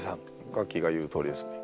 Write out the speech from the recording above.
ガッキーが言うとおりですね。